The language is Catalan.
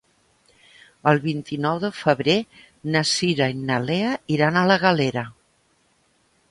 El vint-i-nou de febrer na Cira i na Lea iran a la Galera.